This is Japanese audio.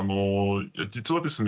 実はですね